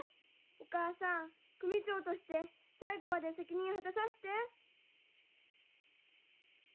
お母さん組長として最後まで責任果たさして。